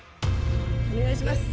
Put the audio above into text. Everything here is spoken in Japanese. お願いします！